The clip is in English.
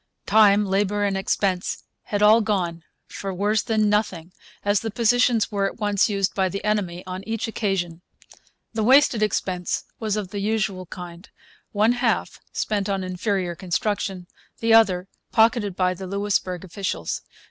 Time, labour, and expense had all gone for worse than nothing, as the positions were at once used by the enemy on each occasion. The wasted expense was of the usual kind one half spent on inferior construction, the other pocketed by the Louisbourg officials.